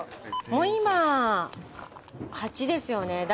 もう今８ですよね。